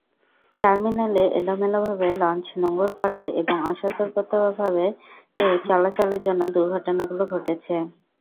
টার্মিনালে এলোমেলোভাবে লঞ্চ নোঙর করা এবং অসতর্কভাবে চলাচলের জন্য দুর্ঘটনাগুলো ঘটেছে।